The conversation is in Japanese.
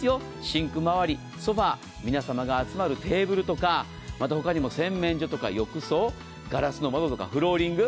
シンク周り、ソファ皆さまが集まるテーブルとか他にも洗面所や浴槽ガラスの窓やフローリング